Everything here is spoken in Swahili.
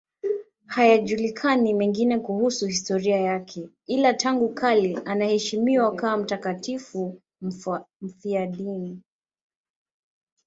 Hayajulikani mengine kuhusu historia yake, ila tangu kale anaheshimiwa kama mtakatifu mfiadini.